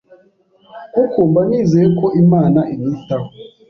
kuko mba nizeye ko Imana inyitaho.”